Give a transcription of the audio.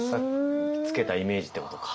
つけたイメージってことか。